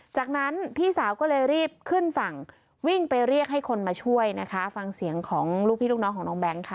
จากนั้นพี่สาวก็เลยรีบขึ้นฝั่งวิ่งไปเรียกให้คนมาช่วยนะคะฟังเสียงของลูกพี่ลูกน้องของน้องแบงค์ค่ะ